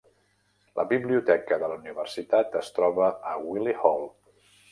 La biblioteca de la Universitat es troba a Wyllie Hall.